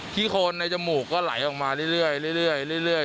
ที่โคนในจมูกก็ไหลออกมาเรื่อย